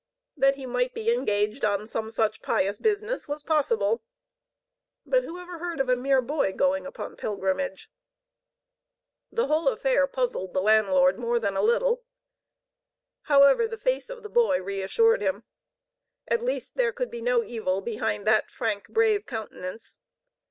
That he might be engaged on some such pious business, was possible. But who ever heard of a mere boy going upon pilgrimage? The whole affair puzzled the landlord more than a little. However, the face of the boy reassured him. At least there could be no evil behind that frank, brave countenance.